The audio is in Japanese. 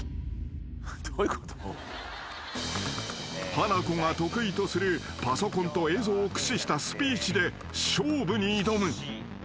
［ハナコが得意とするパソコンと映像を駆使したスピーチで勝負に挑む］